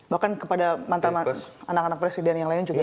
bahkan kepada mantan anak anak presiden yang lain juga